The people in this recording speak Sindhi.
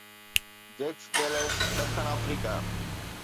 جيڪس ڪيليس ڏکڻ آفريڪا